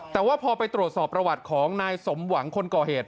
แต่ว่าพอไปตรวจสอบประวัติของนายสมหวังคนก่อเหตุ